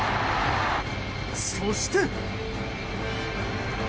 そして。